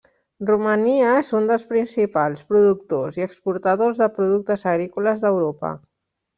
Romania és un dels principals productors i exportadors de productes agrícoles d'Europa.